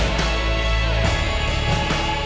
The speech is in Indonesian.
carinya jauh dari deswegen